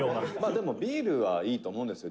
「でも、ビールはいいと思うんですよ。